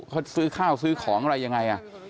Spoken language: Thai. เขาซื้อข้าวซื้อของอะไรยังไง